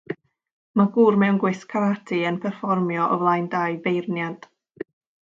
Mae gŵr mewn gwisg karate yn perfformio o flaen dau feirniad.